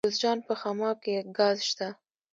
د جوزجان په خماب کې ګاز شته.